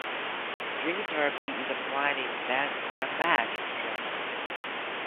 Drinking therapy is applied in Bad Brambach, Germany.